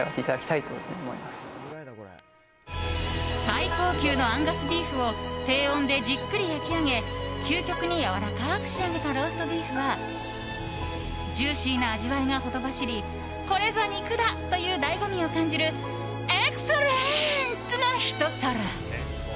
最高級のアンガスビーフを低温でじっくり焼き上げ究極にやわらかく仕上げたローストビーフはジューシーな味わいがほとばしりこれぞ肉だ！という醍醐味を感じるエクセレントなひと皿。